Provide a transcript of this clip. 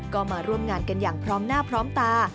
ก็มาร่วมงานกันอย่างพร้อมหน้าพร้อมตา